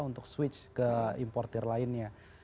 untuk switch ke importer lainnya